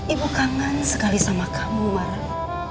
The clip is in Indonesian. ibu kangen sekali sama kamu marah